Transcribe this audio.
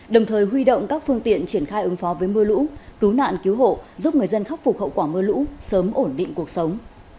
đồng thời huy động các phương tiện triển khai ứng phó với mưa lũ cứu nạn cứu hộ giúp người dân khắc phục hậu quả mưa lũ sớm ổn định cuộc sống